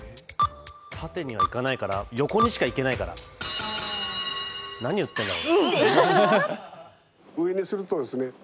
縦にはいけないから、横にしかいけないから、何を言ってんだろ。